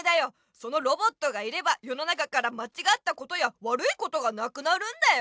そのロボットがいれば世の中からまちがったことや悪いことがなくなるんだよ！